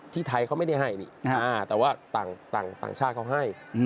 ไทยเขาไม่ได้ให้นี่แต่ว่าต่างชาติเขาให้